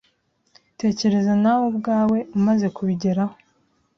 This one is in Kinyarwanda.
Tekereza nawe ubwawe umaze kubigeraho.